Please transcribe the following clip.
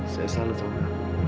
saya salu suka